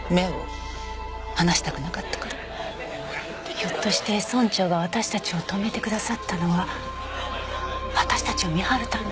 ひょっとして村長が私たちを泊めてくださったのは私たちを見張るため？